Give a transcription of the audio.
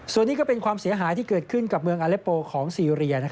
ส่วนนี้ก็เป็นความเสียหายที่เกิดขึ้นกับเมืองอเล็โปของซีเรีย